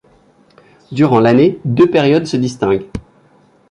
Durant l’année, deux périodes se distinguent.